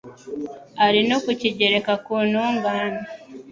ari no kukigereka ku ntungane